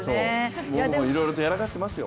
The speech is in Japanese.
いろいろとやらかしてますよ